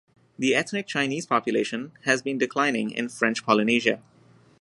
The ethnic Chinese population has been declining in French Polynesia.